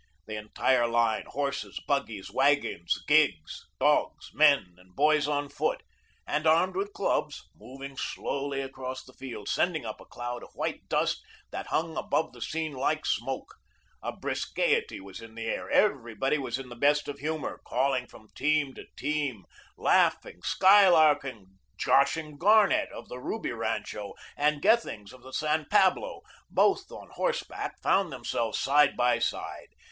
The entire line, horses, buggies, wagons, gigs, dogs, men and boys on foot, and armed with clubs, moved slowly across the fields, sending up a cloud of white dust, that hung above the scene like smoke. A brisk gaiety was in the air. Everyone was in the best of humor, calling from team to team, laughing, skylarking, joshing. Garnett, of the Ruby Rancho, and Gethings, of the San Pablo, both on horseback, found themselves side by side.